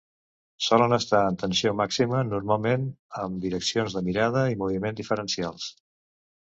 Solen estar en tensió màxima, normalment amb direccions de mirada i moviment diferencials.